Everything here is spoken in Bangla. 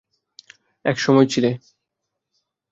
এক সময় ছিলে!